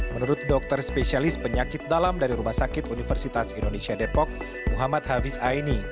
menurut dokter spesialis penyakit dalam dari rumah sakit universitas indonesia depok muhammad hafiz aini